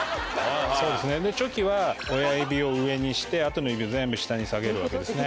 でチョキは親指を上にしてあとの指を全部下に下げるわけですね。